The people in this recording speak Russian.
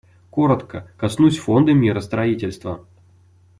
Коротко коснусь Фонда миростроительства.